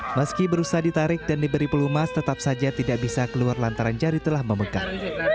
meski berusaha ditarik dan diberi pelumas tetap saja tidak bisa keluar lantaran jari telah memegang